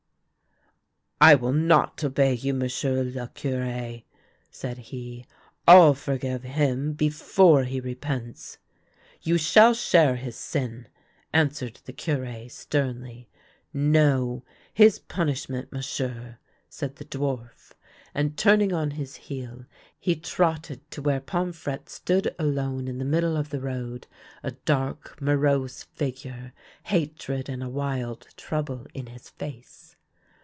" I will not obey you, M'sieu' le Cure," said he. " ril forgive him before he repents." " You will share his sin," answered the Cure, sternly. " No ; his punishment, m'sieu'," said the dwarf ; and turning on his heel, he trotted to where Pomfrette stood alone in the middle of the road, a dark, morose figure, hatred and a wild trouble in his face.